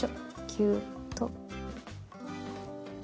ぎゅっと。